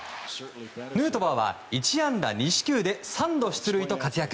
ヌートバーは１安打２四球で３度出塁と活躍！